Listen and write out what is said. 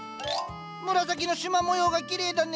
紫のしま模様がきれいだね。